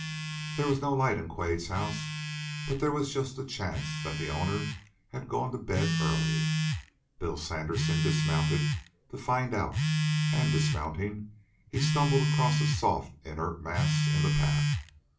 There was no light in Quade's house, but there was just a chance that the owner had gone to bed early. Bill Sandersen dismounted to find out, and dismounting, he stumbled across a soft, inert mass in the path.